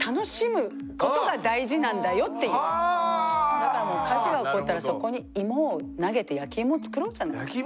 だからもう火事が起こったらそこにイモを投げて焼きイモを作ろうじゃないかっていう。